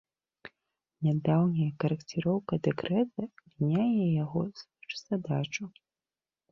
Нядаўняя карэкціроўка дэкрэта мяняе яго звышзадачу.